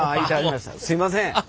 すいません。